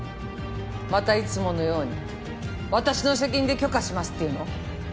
またいつものように私の責任で許可しますっていうの？